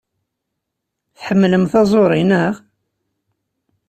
Tḥemmlem taẓuri, naɣ?